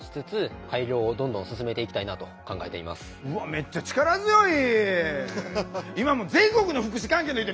めっちゃ力強い。